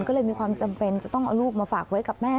ก็เลยมีความจำเป็นจะต้องเอาลูกมาฝากไว้กับแม่